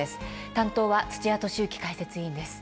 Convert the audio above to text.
担当は土屋敏之解説委員です。